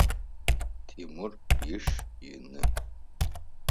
Тимур иш ины.